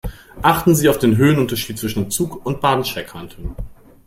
Achten Sie auf den Höhenunterschied zwischen Zug und Bahnsteigkante.